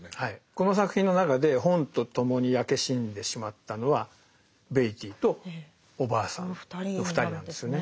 この作品の中で本と共に焼け死んでしまったのはベイティーとおばあさんの２人なんですよね。